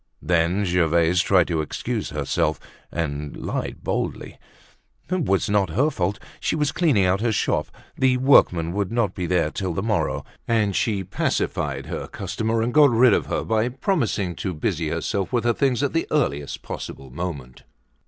Then Gervaise tried to excuse herself and lied boldly; it was not her fault, she was cleaning out her shop, the workmen would not be there till the morrow; and she pacified her customer and got rid of her by promising to busy herself with her things at the earliest possible moment.